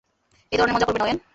এই ধরণের মজা করবে না, ওয়েন।